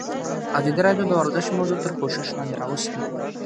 ازادي راډیو د ورزش موضوع تر پوښښ لاندې راوستې.